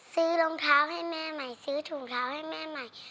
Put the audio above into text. รองเท้าให้แม่ใหม่ซื้อถุงเท้าให้แม่ใหม่